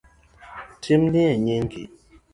Timnie nyingi